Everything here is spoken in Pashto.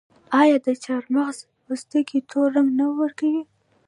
آیا د چارمغز پوستکي تور رنګ نه ورکوي؟